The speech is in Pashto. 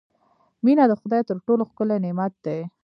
• مینه د خدای تر ټولو ښکلی نعمت دی.